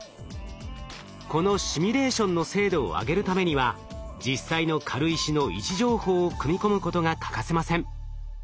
このシミュレーションの精度を上げるためには実際の軽石の位置情報を組み込むことが欠かせません。